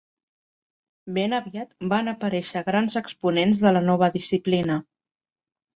Ben aviat van aparèixer grans exponents de la nova disciplina.